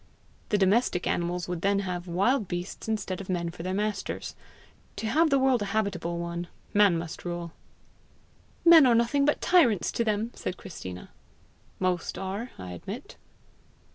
The domestic animals would then have wild beasts instead of men for their masters! To have the world a habitable one, man must rule." "Men are nothing but tyrants to them!" said Christina. "Most are, I admit."